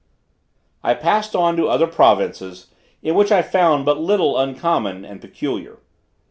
I passed on to other provinces, in which I found but little uncommon and peculiar.